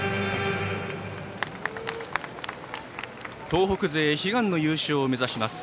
東北勢悲願の優勝を目指します